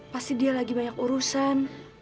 pasti dia lagi banyak urusan